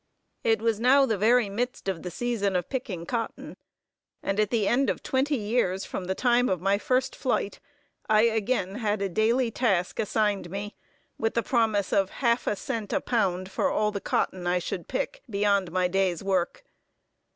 It was now the very midst of the season of picking cotton, and, at the end of twenty years from the time of my first flight, I again had a daily task assigned me, with the promise of half a cent a pound for all the cotton I should pick, beyond my day's work.